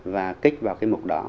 và click vào cái mục đó